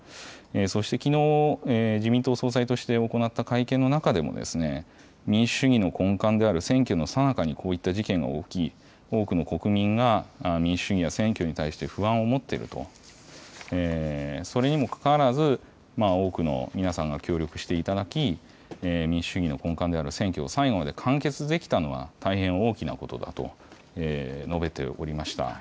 そして、きのう自民党総裁として行った会見の中でも民主主義の根幹である選挙のさなかにこういった事件が起き、多くの国民が民主主義や選挙に対して不安を持っていると、それにもかかわらず多くの皆さんが協力していただき民主主義の根幹である選挙を最後まで完結できたのは大変大きなことだと述べておりました。